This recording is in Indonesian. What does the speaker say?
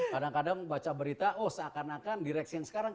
kadang kadang baca berita oh seakan akan direksi yang sekarang